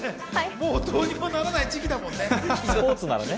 もう、どうにもならない時期ですもんね。